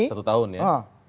satu tahun ya